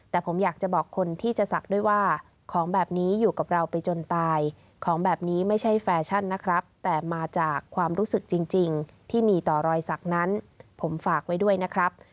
แต่ผมอยากจะบอกคนที่จะศักดิ์ด้วยว่าของแบบนี้อยู่กับเราไปจนตายของแบบนี้ไม่ใช่แฟชั่นนะครับแต่มาจากความรู้สึกจริงที่มีต่อรอยสักนั้นผมฝากไว้ด้วยนะครับ